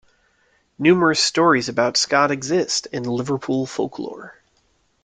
Numerous stories about Scott exist in Liverpool folklore.